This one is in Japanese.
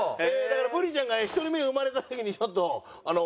だからブリちゃんが１人目生まれた時にちょっとあの。